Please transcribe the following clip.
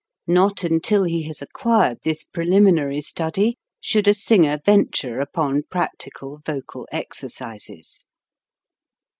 Not until he has acquired this preliminary study should a singer venture upon practical vocal exercises.